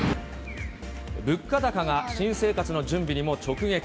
物価高が新生活の準備にも直撃。